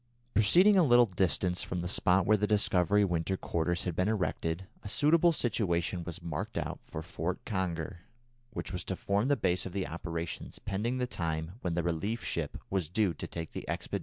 Proceeding a little distance from the spot where the Discovery winter quarters had been erected, a suitable situation was marked out for "Fort Conger," which was to form the base of the operations pending the time when the relief ship was due to take the expedition home again.